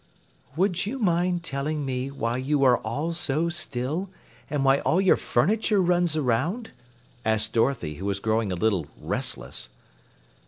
"Would you mind telling me why you are all so still, and why all your furniture runs around?" asked Dorothy, who was growing a little restless.